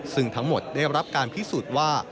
ซึ่งทั้งหมดได้รับการพิสูจน์ว่า